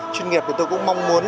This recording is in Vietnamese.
chuyên nghiệp thì tôi cũng mong muốn